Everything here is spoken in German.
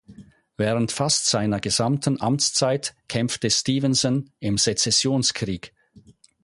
Während fast seiner gesamten Amtszeit kämpfte Stephenson im Sezessionskrieg.